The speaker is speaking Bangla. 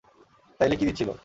তাইলে কী দিচ্ছিল?